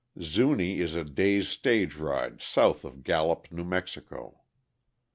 Zuni is a day's stage ride south of Gallup, New Mexico.